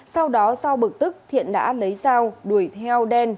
sau đó sau bực tức thiện đã lấy dao đuổi theo đen